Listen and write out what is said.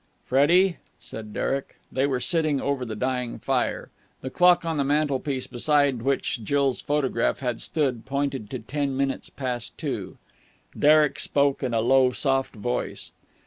"Freddie," said Derek. They were sitting over the dying fire. The clock on the mantelpiece, beside which Jill's photograph had stood pointed to ten minutes past two. Derek spoke in a low, soft voice.